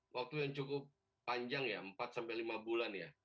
waktu yang cukup panjang ya empat sampai lima bulan ya